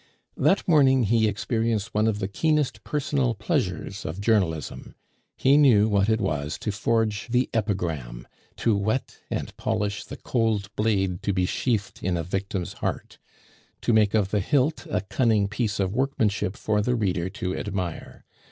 That morning he experienced one of the keenest personal pleasures of journalism; he knew what it was to forge the epigram, to whet and polish the cold blade to be sheathed in a victim's heart, to make of the hilt a cunning piece of workmanship for the reader to admire.